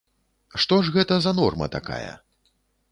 Што ж гэта за норма такая?